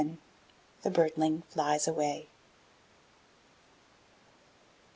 VII. THE BIRDLING FLIES AWAY.